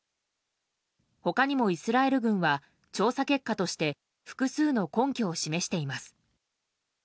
他にもイスラエル軍は調査結果として複数の根拠を示しています。